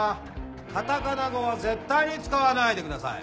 カタカナ語は絶対に使わないでください。